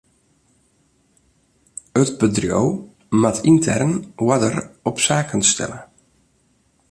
It bedriuw moat yntern oarder op saken stelle.